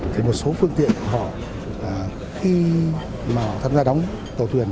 thì một số phương tiện họ khi mà tham gia đóng tàu thuyền